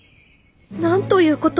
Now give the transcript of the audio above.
なんということ！